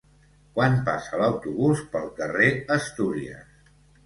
Quan passa l'autobús pel carrer Astúries?